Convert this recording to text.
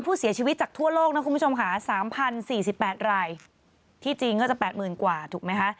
อืมอืมอืมอืมอืม